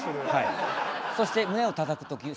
そして胸をたたく時ソフトに。